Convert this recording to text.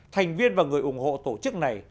thành viên và người ủng hộ tổ chức này